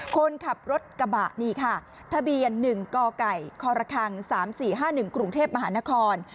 คนขับรถกระบะนี่ค่ะทะเบียน๑กไก่ครค๓๔๕๑กรุงเทพมหานคร